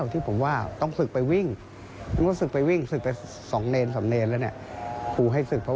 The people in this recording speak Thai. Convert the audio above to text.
คุณผู้ชมฟังเสียงเจ้าอาวาสกันหน่อยค่ะ